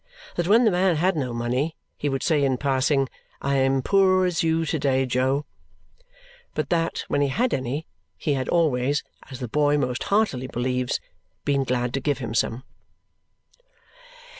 That when the man had no money, he would say in passing, "I am as poor as you to day, Jo," but that when he had any, he had always (as the boy most heartily believes) been glad to give him some.